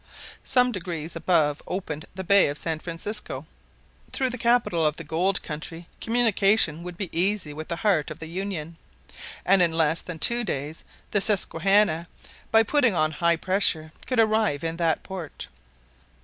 Some degrees above opened the bay of San Francisco. Through the capital of the gold country communication would be easy with the heart of the Union. And in less than two days the Susquehanna, by putting on high pressure, could arrive in that port.